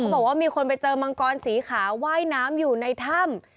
บอกว่ามีคนไปเจอมังกรสีขาวว่ายน้ำอยู่ในถ้ำ